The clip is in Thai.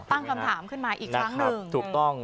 ตั้งคำถามขึ้นมาอีกครั้งหนึ่งถูกต้อง